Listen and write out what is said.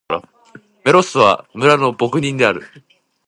メロスは、村の牧人である。